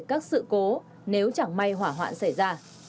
các sự cố nếu chẳng may hỏa hoạn xảy ra